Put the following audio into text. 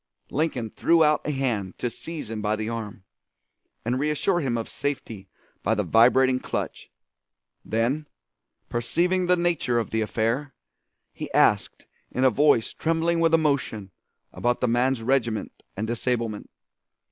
Lincoln threw out a hand to seize him by the arm, and reassure him of safety by the vibrating clutch. Then, perceiving the nature of the affair, he asked in a voice trembling with emotion about the man's regiment and disablement.